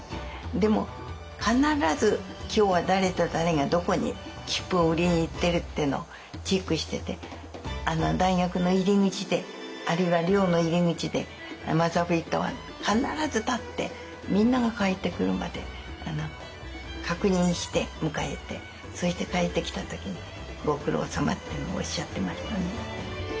でも必ず今日は誰と誰がどこに切符を売りに行ってるっていうのをチェックしてて大学の入り口であるいは寮の入り口でマザー・ブリットは必ず立ってみんなが帰ってくるまで確認して迎えてそして帰ってきた時に「ご苦労さま」っていうのをおっしゃってましたね。